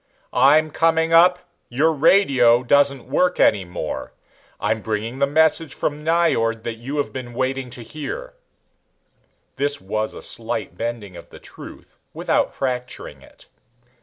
"I'm coming up. Your radio doesn't work any more. I'm bringing the message from Nyjord that you have been waiting to hear." This was a slight bending of the truth without fracturing it.